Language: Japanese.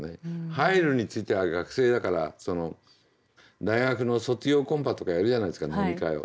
入るについては学生だから大学の卒業コンパとかやるじゃないですか飲み会を。